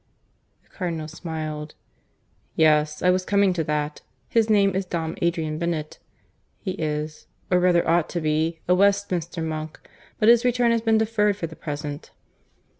The Cardinal smiled. "Yes: I was coming to that. His name is Dom Adrian Bennett. He is or rather ought to be a Westminster monk, but his return has been deferred for the present."